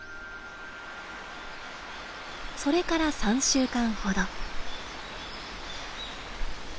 それから３週間ほど。